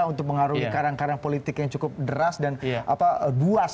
untuk mengaruhi karang karang politik yang cukup deras dan buas